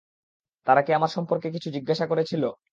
তারা কি আমার সম্পর্কে কিছু জিজ্ঞাসা করেছিল?